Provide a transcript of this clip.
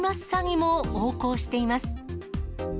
詐欺も横行しています。